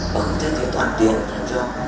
và cũng thay thế toàn tiện toàn trọng